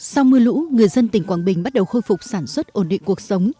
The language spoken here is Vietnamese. sau mưa lũ người dân tỉnh quảng bình bắt đầu khôi phục sản xuất ổn định cuộc sống